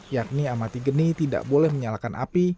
yakni amati geni tidak boleh menyalakan api